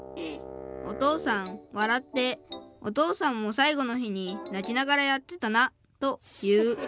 お父さん笑って『お父さんも最後の日に泣きながらやってたな』と言う。